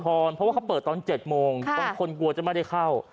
เพราะว่าเขาเปิดตอน๗โมงบางคนกลัวจะไม่ได้เข้า